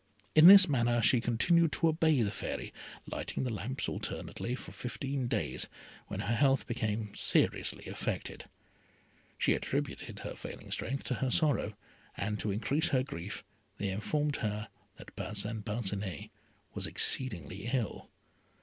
In this manner she continued to obey the Fairy, lighting the lamps alternately for fifteen days, when her health became seriously affected. She attributed her failing strength to her sorrow, and, to increase her grief, they informed her that Parcin Parcinet was exceedingly ill.